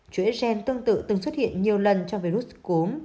chủ yếu gen tương tự từng xuất hiện nhiều lần trong virus cúm